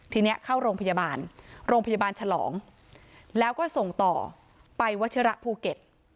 ทีนี้เข้าโรงพยาบาลโรงพยาบาลฉลองแล้วก็ส่งต่อไปวัชิระภูเก็ต